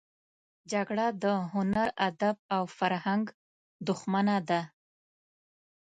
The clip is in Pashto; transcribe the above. جګړه د هنر، ادب او فرهنګ دښمنه ده